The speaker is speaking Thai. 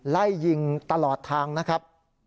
ไล่ยิงตลอดทางนะครับ